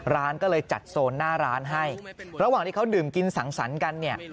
ร้านก็เลยจัดโซนหน้าร้านให้ระหว่างที่เขาดื่มกินสังสรรค์กันเนี่ย